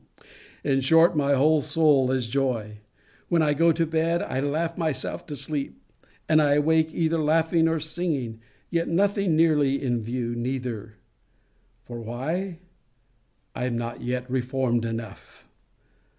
In short, my whole soul is joy. When I go to bed I laugh myself asleep; and I awake either laughing or singing yet nothing nearly in view, neither For why? I am not yet reformed enough!